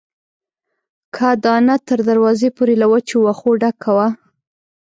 کاه دانه تر دروازې پورې له وچو وښو ډکه وه.